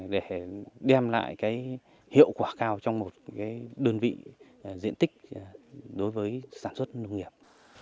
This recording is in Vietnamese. để đem lại hiệu quả cao trong một đơn vị diện tích đối với sản xuất nông nghiệp